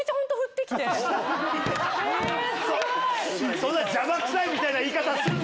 そんな邪魔くさいみたいな言い方すんな！